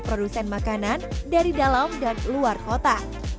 produsen makanan dari dalam dan luar kota